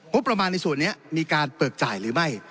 ประมาณในส่วนนี้มีการเบิกจ่ายหรือไม่